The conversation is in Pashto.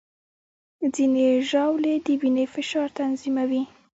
ځینې ژاولې د وینې فشار تنظیموي.